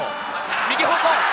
右方向！